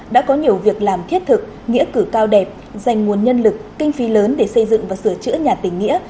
đã có nhiều việc làm thiết thực nghĩa cử cao đẹp dành nguồn nhân lực kinh phí lớn để xây dựng và sửa chữa nhà tỉnh nghĩa